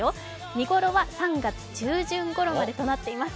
見頃は３月中旬ごろまでとなっています。